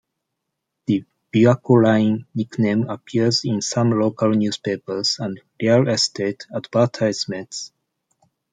The "Biwako Line" nickname appears in some local newspapers and real estate advertisements.